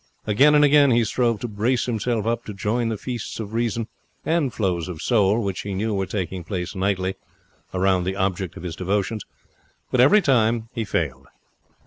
Again and again he strove to brace himself up to join the feasts of reason and flows of soul which he knew were taking place nightly around the object of his devotions, but every time he failed.